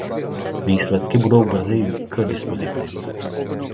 Výsledky budou brzy k dispozici.